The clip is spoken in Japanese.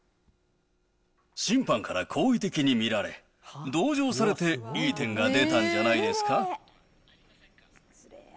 審判から好意的に見られ、同情されていい点が出たんじゃないですか？